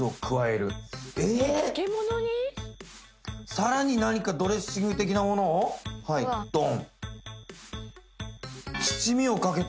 さらに何かドレッシング的な物をドン。